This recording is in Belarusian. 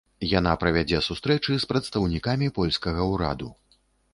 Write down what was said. Яна правядзе сустрэчы з прадстаўнікамі польскага ўраду.